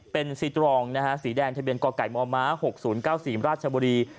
เป็นซีตรองนะฮะสีแดงทะเบียนกไก่มม๖๐๙๔ราชบุรี